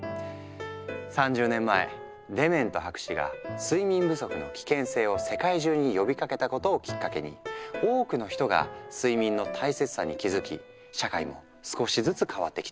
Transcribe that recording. ３０年前デメント博士が睡眠不足の危険性を世界中に呼びかけたことをきっかけに多くの人が睡眠の大切さに気付き社会も少しずつ変わってきている。